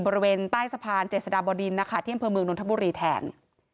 บริเวณใต้สะพานเจษฎาบดินนะคะที่อำเภอเมืองนทบุรีแทน